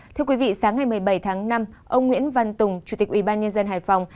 thưa quý vị sáng ngày một mươi bảy tháng năm ông nguyễn văn tùng chủ tịch ubnd hải phòng